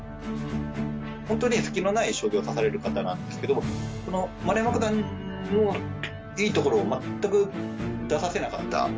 本当に隙のない将棋を指される方なんですけれども、その丸山九段のいいところを全く出させなかった。